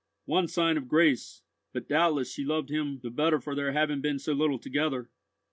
"One sign of grace, but doubtless she loved him the better for their having been so little together.